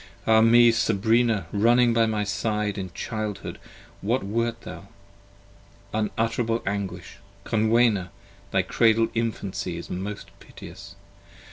Ah me, Sabrina, running by my side: In childhood what wert thou? unutterable anguish! Conwenna! Thy cradled infancy is most piteous.